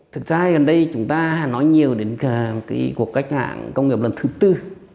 thực ra gần đây chúng ta nói nhiều đến cuộc cách mạng công nghiệp lần thứ tư